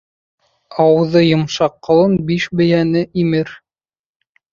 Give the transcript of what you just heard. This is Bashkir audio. Ауыҙы йомшаҡ ҡолон биш бейәне имер.